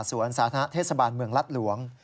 สวนสาธารณะเทศบาลเมืองรัฐหลวง